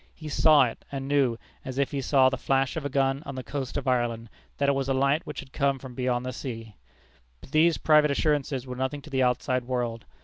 He saw it, and knew, as if he saw the flash of a gun on the coast of Ireland, that it was a light which had come from beyond the sea. But these private assurances were nothing to the outside world.